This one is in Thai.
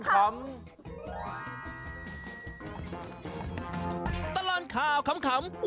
ตลอดข่าวขำ